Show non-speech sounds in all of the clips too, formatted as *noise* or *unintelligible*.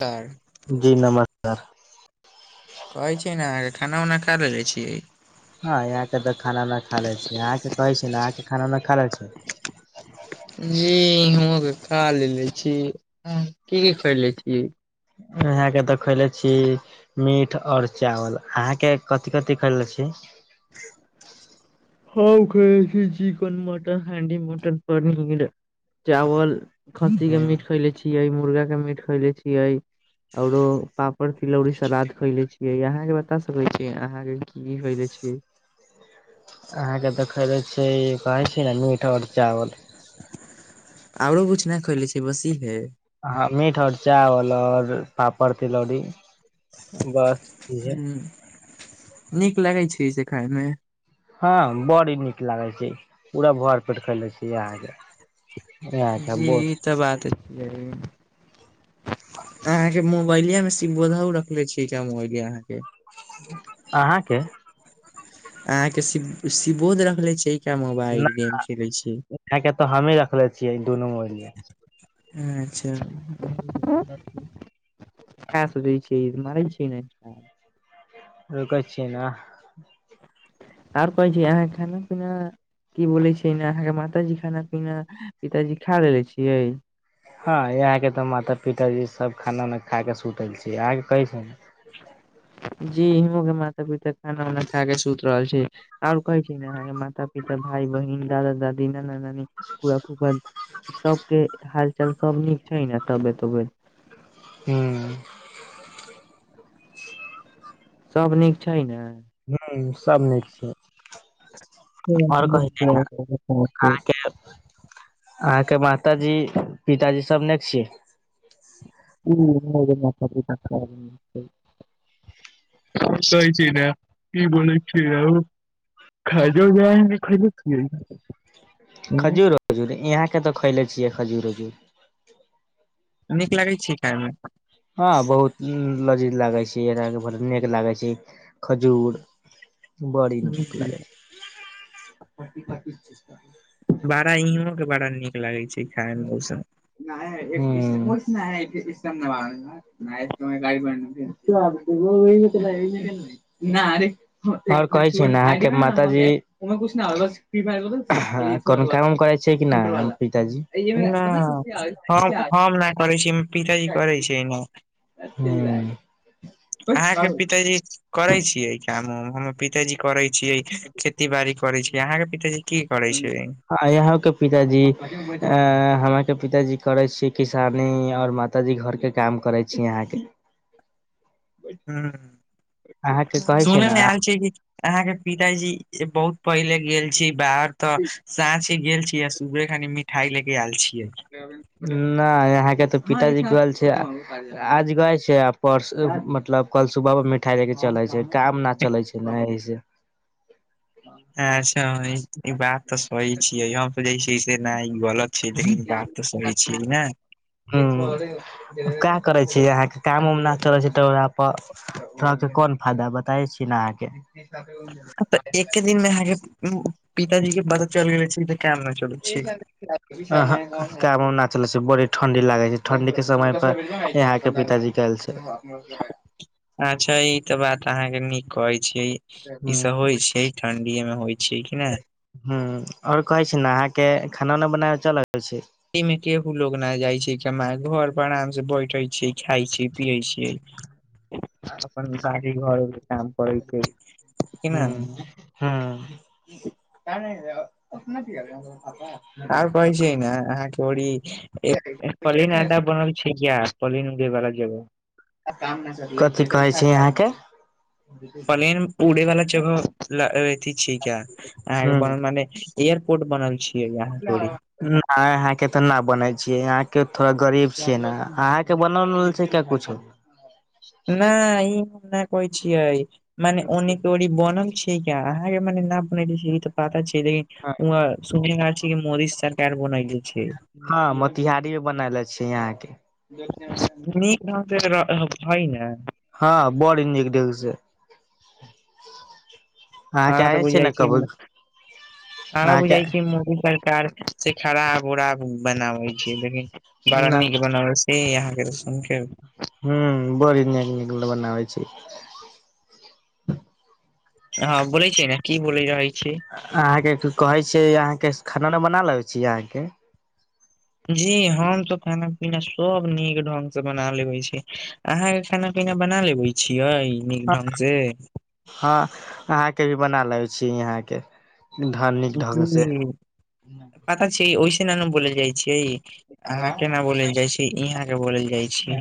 तार जी नमस्कार कहै छै ने अहाँके खाना उना खा लेलेने छि हँ यहाँके त खाना ना खा ले छी अहाँ के कहे छी अहाँके खाना न खा ले छी जीं हांगई खा लेलेे छी की खै ले छी आहाँ के देखैले छी मीट आओर चावल अहाँके कथि कथि खैले छी ह खइ छी chicken mutton handi mutton paneer चावल खस्सी के मीट खैले छियै मुर्गा के मीट खैले छियै आओरो पापड़ तिलौरी सलाद खइले छी य यहाँ के बता सकै छी अहाँ के की हले छीयै अहाँके खैे छी ई कहै छी ने मीट आओर चावल आरो कुछु न खईले छै बस इ है हँ मीठ आओर चावल आओर पापड़ तिलौड़ी ह नीक लगै छै से खाय मे हँ बड़ नीक लागे छै पूरा भर पेट खैले छै यह के जी ई तऽ बात छै *inaudible* *inaudible* अहाँ के मोबाइले मे सिम बोधौ रखले छी मोबाइलहाँ के अहाँके अहाँ के शिव शिबोध रखले छै मोबाइल नहि गेम खेलै छी यहाँके तऽ हमही रखले छियै दुनू मिलिये अच्छा क सुधै छी *unintelligible* य मारे छी ने रुक छिय न आर कोय छी आहाँ खाना पीना की बोलै छै ने अहाँ के माताजी खाना पीना पिताजी खा लेलेे छियै हँ यहाँके तऽ माता पिताजी सब खाना उना खा के सुतल छी अहाँके कैस जी हिमो के माता पिता खाना उना खाय के सुति रहल छी आओर कहै छी ने आहाँ मातता पिता भाय बहिन दादा दादी ना ना नानि फु फूकल ई सबके हाल चाल सब नीक छै ने तबत तबत *unintelligible* हूँ सब नीक छै ने हू सब नीक छै आओर कहि *unintelligible* खाना छै अहाँके माताजी पिताजी सब ने छियै ह *unintelligible* ै *unintelligible* छै ने ई बोलै छैय औ खरिदो जा खरिदो *unintelligible* खजूर खजूर यहाँके तऽ खयले छियै खजूर उजूर नीक लागै छै खायमे हँ बहुत लजीज लागे छै नीक लागे छै *unintelligible* खजूर बड़ी नीक लागै छै बड़ा इहों के बड़ा नीक लागै छै खाय मे उस नहि नहि इसम न ब *unintelligible* नहि त की प अरे *unintelligible* *unintelligible* आओर कहै छी अहाँके माताजी कोनो कामो करै छै कि नै हम पिताजी *unintelligible* य ना मतल खुशी हम आ हम नहि करै छी पिताजी करै छै ने एतने *unintelligible* अहाँकेँ पिताजी करै छियै, काम उम हमर पिताजी करै छियै खेती बाड़ी। करै छै अहाँकेँ पिताजी कि करै छै। आइ अहाँकेँ पिताजी। अ हमरके पिताजी करै छियै किसानी आओर माताजी घरके काम करै छै अहाँकेँ। ह, अहाँ के कहै छै ने सुनेमे आयल छै कि। अहाँकेँ पिताजी बहुत पहिले गेल छै बाहर तऽ साँझ। गेल छीय आ सुबरे खी मिठइ लेगे आयल छै। नहि अहाँकेँ तऽ पिताजी कल छै। आज गाए छै, आ परस मतलब कल सुबह पर मिठाई लेके चले छै काम न चलै छै, ने एहि से अच्छा ई बात तऽ सही छियै य पर ज। किसे नहि ई गलत छै, लेकिन बात तऽ सही छियै ने। हु, कऽ करै छै अहाँकेँ काम उम नहि चलै छै तऽ ओरा पर। तोहके कोन फायदा बताय छीय ने अहाँकेँ। सा गेल *unintelligible* तऽ एके दिनमे अहाँकेँ पिताजी के पता चल गेल छै क। इह *unintelligible* अहाँ, काम उम नै चलै छै, बड़ी ठंडी लागे छै, ठंडी के समय पर यहा। के पिताजी कहलखिन छै। अच्छा, ई त बात अहाँकेँ निक कहै छीयै ई सभ होइ छै, ठंडीए मे होइ छै। छै कि नहि। ह, आओर कहै छी ने अहाँकेँ खाना उना बनाब चलै छै। एहि मे केहू लोग न जाय छै, कमाय घर पर आराम से बैठ। उठे छै खाय छी पियै छै अपन गाड़ी घर। कम पइते छै ह किना ह, नहिना आओर कहै छै, ने अहाँकेँ ओरी पलेन अंडा बनल छै य। पलीन देवार जग। कथि कहै छै यहाँकेँ प्लेन उड़े वाला जगह छियै क्य अहाँकेँ मने एयरपोर्ट बनल छै। ह। नहि अहाँकेँ तऽ नहि बनै छियै अहाँकेँ थोड़ा गरीब छियै ने अहाँकेँ बनल छै, क्य कुछो। नहि ई हम नहि कहै छिय मने ओने ओर बनल छी। ठीक या अहाँकेँ मने न बन ई त पता छै लेकिन छै मोदी सर। कर बनाल छै। हँ, मोतिहारी मे बनले छै यहाँकेँ। निक ढंग से है ने। हँ, बड़ी निक देख छै। ह तऽ बुझाइ ने छिये कब ह अहाँके बुझाइ छी मी। से खराब उराब बनाबे छैय लेकिन बड़ा न निक बनावै। ह यहाँकेँ सुन क। ह, बड़ नै निक बनाव छी। हँ बोलै छी ने की बोले रहै छी अहाँके कहै छियै, अहाँके खाना-वाना बना लै छी अहाँके? जी हम तऽ खाना-पीना सभ नीक ढंगसे बना लेबे छियै। अहाँके खाना-पीना बना लेबे छियै नीक ढंगसे? हँ अहाँके भी बना लै छी यहाँके धन्य! जी पता छै *unintelligible* ओहिस न बोल जाइ छिय अहाँ केना बोलैल जाइ छी, इहाँके बोलेल जाइ छी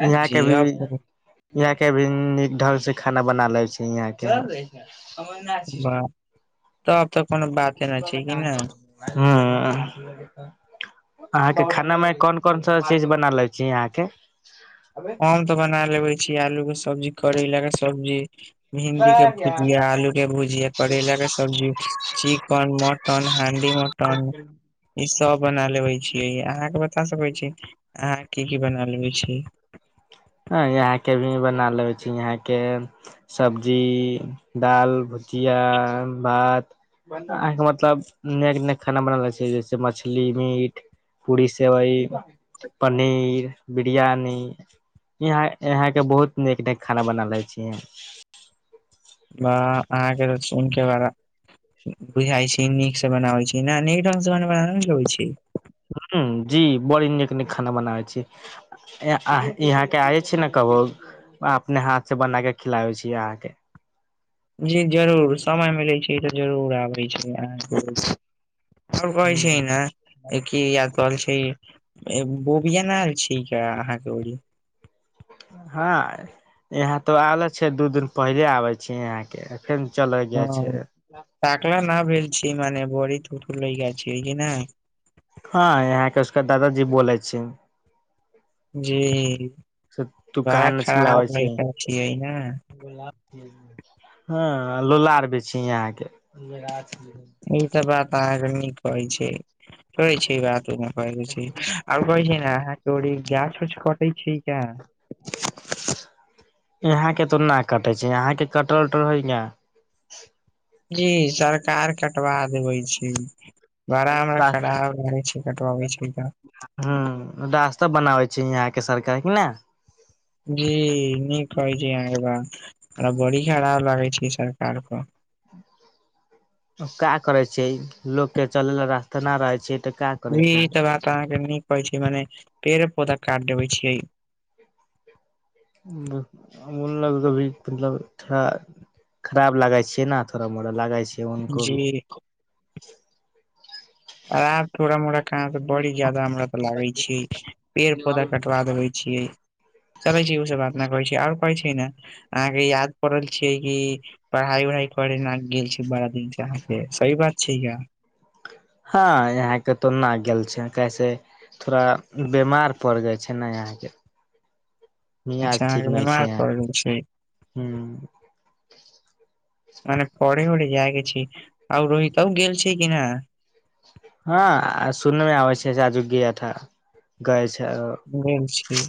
यहाँके भी *unintelligible* अब यहाँ के भी नीक ढंगसे खाना बना ले छै यहाँके बा तब तऽ कोनो बाते नहि छै कि ने!? हँ अहाँके खानामे कोन-कोन सा चीज बना ले छी अहाँके? हम तऽ बना लेबे छी आलूके सब्जी, करैलाके सब्जी भिंडीके भुजिया, आलूके भुजिया, करैलाके सब्जी चिकन, मटन, हंडी-मटन ई सब बना लेबे छियै अहाँके बता सकै छी अहाॅं की-की बना लेबै छी? हॅं, यहाॅंके भी बना लेबे छी यहाँके *unintelligible* सब्जी, दाल, भुजिया, भात अहाॅंके मतलब नीक-नीक खाना बना लैत छियै, जैसे मछली, मीट पूरी, सेवइ, पनीर, बिरियानी यहा यहांके बहुत नीक नीक खाना बना लैत छी वाह, अहाँके *unintelligible* त सु के बड़ा बुझाय छी नीकसे बनाबै छी ने नीक ढंगसे बनबै लगै छै जी बड़ी नीक-नीक खाना बनाबै छी यहाँ के आबै छी ने कबो, अपने हाथसे बनाके खिलाबै छी अहाँके जी जरूर, समय मिलैत छै तऽ जरूर आबै छी अहाँके आल कहै छै ह नेी यत कहल छै *unintelligible* बोबियना छीक *unintelligible* अहाँके ओ हँ, यहाँ तो आलो छै दू दिन पहिले आबै छी यहाँके फेन चलै हँ ताकला न भेलेल छी मने बड़ी तुतू लै गा छै बुझ न *unintelligible* हँ यहाके उसका दादाजी बोलै छै जी से तू बड़ा काहे न छिलाबै खराब है छै *unintelligible* छियै ने हँ लोला आर बे यहाँके *unintelligible* ई तॅं बात अहाँके नीक कहै छै कहै छै ई बात आ कहै छै ने ह त ओ ई *unintelligible* गाछ-उछ कटै छै *unintelligible* यहाके तो न कटे छै यहाके कटल-उटर हय ने? जी सरकार कटवा देबै छै। बड़ा हमरा खराब लागै छै कटबाबै छै तँ हॅं, रास्ता बनाबै छै यहाँके सरकार की ने जी नीक कहै छै अहाँ एकबार, बड़ी खराब लगै छै सरकार कऽ का करे छै लोक के चलै लए रास्ता न रहै छै त का? करे जी ई छै त बात अहाँके न कहै छै मने पेड़े-पौधा काट देबे छियै *unintelligible* मतलब थोड़ा खराब लागे छै ने थोड़ा मोड़ा लागा छै उनको भी जी आब थोड़ा मोड़ा कहाँ से बड़ी ज्यदा हमरा लागे छै पेड़ पौधा के बा देबै छियै चलै छी ओ सब बात नहि करै छी आओर कहै छी ने अहाँके याद पड़ल छियै कि पढ़ाई उढ़ाई करे गेल छी बड़ा सही बात छै या हँ यहाँके तो नहि गेल छै कैसे थोड़ा बेमार पड़ि जाइ छै ने यहाँके अच्छा अहा छै बीमार यहाँ पैर गेल छै ह मने परहे जाए गे छी आउ रोहित ओ गेल छै कि न हँ सुन मे आबै छैजूगथा गए छै *unintelligible* छी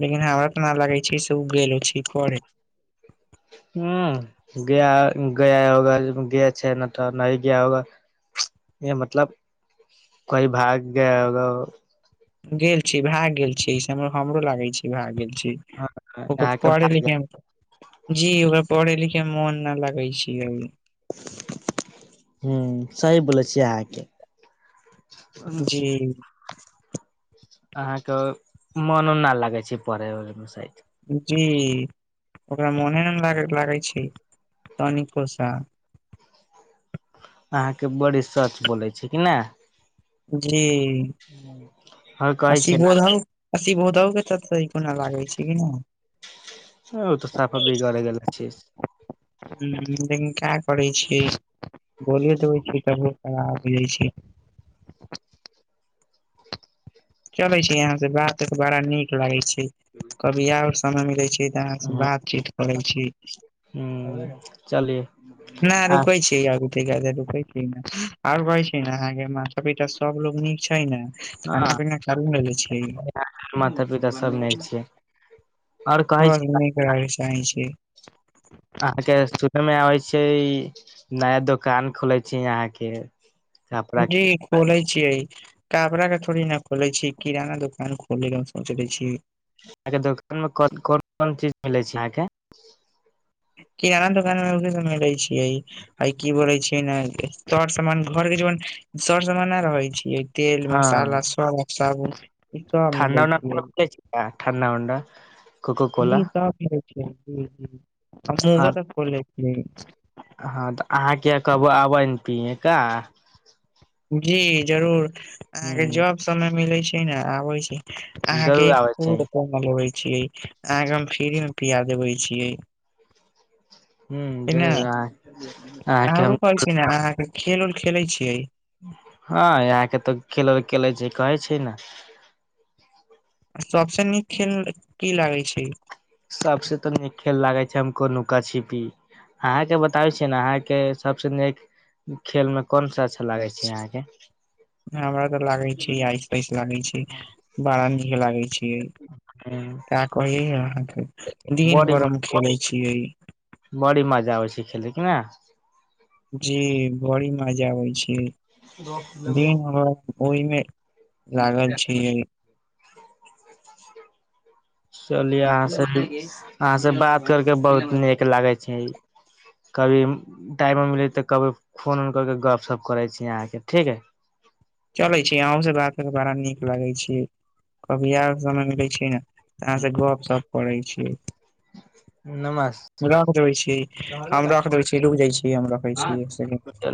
लेकिन हमरा तऽ न लागै छै से ओ गेलो छे घरे ह ग गय होगा ग छै ने तऽ नहि गया होगा य मतलब कई भाग गय होग गेल छी भए गेल छी स हमरो लागे छी भए गेल छी *unintelligible* हँ, जी अहाँके भाग ओकरा पढ़े लिखे मे मोन न लगे छे ह सही बोलै छियै अहाँके जी अहाँके मनो नहि लागे छै पढ़े उढ़े मे शायद जी ओकरा मोने ने लागे छै तनिको सा अहाँके बड़ी सच बोलै छै कि ने जी हर कहै आशि छै ने बोधन असी भोद के तऽ को नहि लागै छै कि ना ह ओ तऽ साफा बिगड़ गेल छ लेकिन क्य करै छियै बोले देबै छ त आब जाइ छै चले छै यहां से बात त बड़ा नीक लागे छै कभी आओर समय मिलै छै तऽ अहाँसँ बातचीत करै छी हुं चलिये न रुकय छी आर तैका देर रुकै छी न आर कहै छै ने अहाँके माथा पी सब लोग नीक छै ने हँ खाना पीना चालू लेले छियै माता पिता सब नै छै आओर कहै छी *unintelligible* छै अहाँ के सुनय मे आबै छै नया दुकान खोले छै अहा के कपड़ा जी के खोले छियै कापड़ा के थोड़ी न खोले छीयय किराना दुकान खोले के सोचले छी अच्छा के दोकान *unintelligible* कोन कोन चीज के खोलय छि अहाँके किराना दोकान *unintelligible* छियै आ की बोले छियै ने सर सामान घर के *unintelligible* सर सामान नहि रहै छियै तेल मसाला साग साबुन ई सब ठाण्डा मिलै छियै उ ठण्डा उण्डा कोको कोला जी त हँ हमो तक खोले छियै हँ तऽ अहाँ क कहबू आबैनतिये का जी जरूर ह अहाँके जॉब समय मिले छै ने आबै छै अहा के जरूर आबै छै फूल को लेवे छीिये अहाँ के हम फिरी में पिया देवे छीिये ह ने जरूर अहाँके हम आरो कहै छी ने अहाँके खेल उल खेलै छियै हँ यहाँके तऽ खेल खेले छै कहै छै ने सबसे नीक खेल की लागै छै सबसे तऽ नीक खेल लागे छै हमको नुका छिपी अहाँ के बताबै छीियै ने अहाँके सबसँ नीक खेल में कोन सा अच्छा लागे छै यहाँके हमरा तऽ लागै छै आऐस तैस लागै छै बड़ा नीक लागे छै का कही अहाँके दिन बड़ी भर हम खेले छिये बड़ी मजा आबै छै खेलयके ने जी बड़ी मजा आबै छै दिन रात ओहिमे लागल छियै *inaudible* चलिय अहाँ से अहाँ से बात करके बहुत नीक लागे छै कभी टाइम मिलैत तऽ कभी फोन उर करके गप सप करै छी अहाँके ठीक है चले छी आहूस बात के बड़ा नीक लगे छी कभी और समय मिलै छै ने त अहाँसँ गपशप करै छियै नमस्ते रख दै छीै हम चलिय रख दै छी रूकि जाइ छीै हम रखै छी एक सकेंड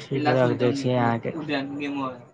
ठीक रख द छी अहाँके